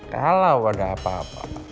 kalau ada apa apa